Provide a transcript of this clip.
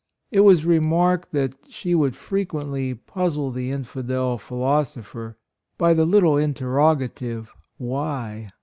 It was remarked that she would frequently puzzle the infidel philosopher, by the little interroga tive Wliy?